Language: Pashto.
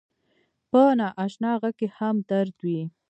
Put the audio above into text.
په ناآشنا غږ کې هم درد وي